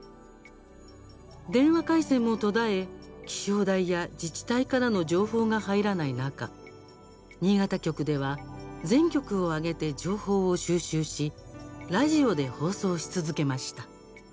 電話回線も途絶え、気象台や自治体からの情報が入らない中新潟局では全局を挙げて情報を収集しラジオで放送し続けました。